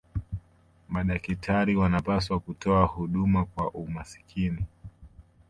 madakitari wanapaswa kutoa huduma kwa umakini